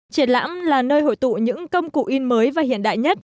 triển lãm là nơi hội tụ những công cụ in mới và hiện đại nhất